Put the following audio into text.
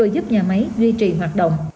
giúp nhà máy duy trì hoạt động